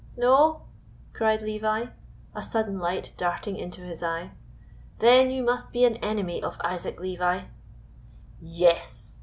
"No?" cried Levi, a sudden light darting into his eye; "then you must be an enemy of Isaac Levi?" "Yes!"